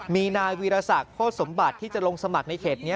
มีนายวีรศักดิ์โฆษมบัติที่จะลงสมัครในเขตนี้